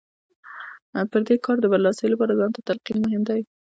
پر دې کار د برلاسۍ لپاره ځان ته تلقين مهم دی.